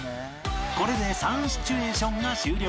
これで３シチュエーションが終了